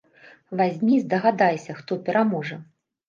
Вазьмі здагадайся, хто пераможа?